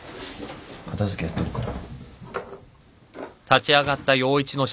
片付けやっとくから。